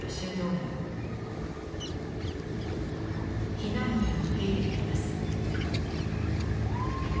避難民を受け入れています。